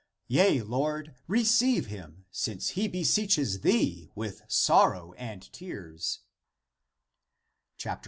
Yea, Lord, receive him, since he be seeches thee with sorrow and with tears."